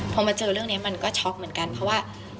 พอมาเจอเรื่องนี้มันก็ช็อกเหมือนกันเพราะว่า